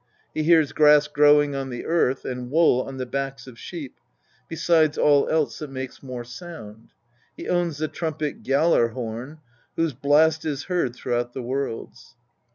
He hears grass growing on the earth and wool on the backs of sheep, besides all else that makes more sound. He owns the trumpet Gjailar horn, whose blast is heard throughout the worlds."